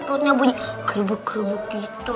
perutnya bunyi keribuk keribuk gitu